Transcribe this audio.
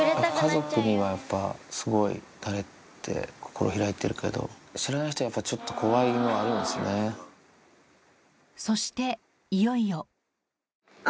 家族にはやっぱ、すごいなれて心開いてるけど、知らない人は、ちょっと怖いのはそして、いよいよ。